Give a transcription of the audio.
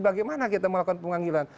bagaimana kita melakukan pemanggilan